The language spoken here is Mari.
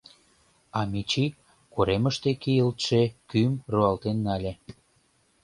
А Мичи коремыште кийылтше кӱм руалтен нале.